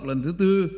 lần thứ tư